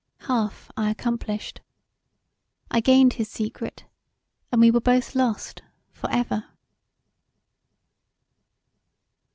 Half I accomplished; I gained his secret and we were both lost for ever.